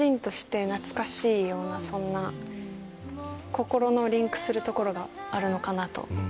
どこか心のリンクするところがあるのかなと思いました。